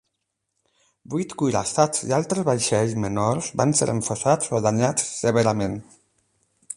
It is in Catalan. Vuit cuirassats i altres vaixells menors van ser enfonsats o danyats severament.